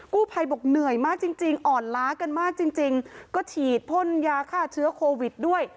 ภัยบอกเหนื่อยมากจริงจริงอ่อนล้ากันมากจริงจริงก็ฉีดพ่นยาฆ่าเชื้อโควิดด้วย